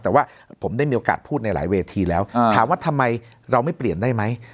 แต่ว่าผมได้มีโอกาสพูดในหลายเวทีแล้วถามว่าทำไมเราไม่เปลี่ยนได้ไหม